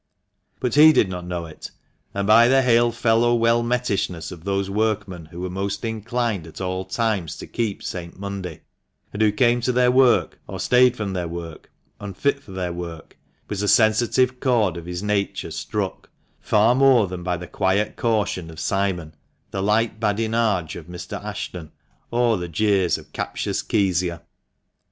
But he did not know it, and by the THE MANCHESTER MAN. 267 hail fellow well metishness of those workmen who were most inclined at all times to keep Saint Monday, and who came to their work, or stayed from their work, unfit for their work, was a sensitive chord of his nature struck, far more than by the quiet caution of Simon, the light badinage of Mr. Ashton, or the jeers of captious Kezia.